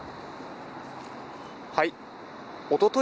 はい。